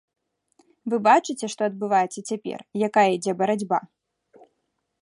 Вы бачыце, што адбываецца цяпер, якая ідзе барацьба.